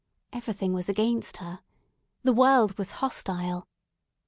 Everything was against her. The world was hostile.